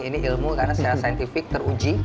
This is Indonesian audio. ini ilmu karena secara saintifik teruji